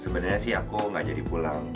sebenernya sih aku gak jadi pulang